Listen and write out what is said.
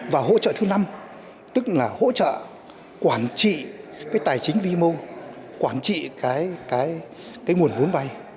và hỗ trợ thứ năm tức là hỗ trợ quản trị cái tài chính vi mô quản trị cái nguồn vốn vay